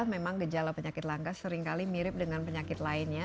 memang gejala penyakit langka seringkali mirip dengan penyakit lainnya